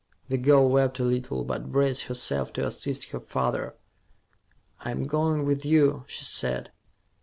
The girl wept a little, but braced herself to assist her father. "I'm going with you," she said.